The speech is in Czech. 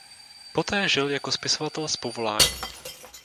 Poté žil jako spisovatel z povolání.